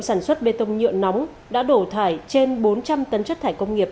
sản xuất bê tông nhựa nóng đã đổ thải trên bốn trăm linh tấn chất thải công nghiệp